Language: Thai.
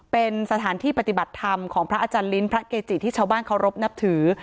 เป็นสถานที่ปฏิบัติธรรมของพระอาจารย์ลิ้นพระเกจิที่ชาวบ้านเคารพนับถือ